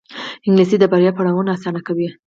انګلیسي د بریا پړاوونه اسانه کوي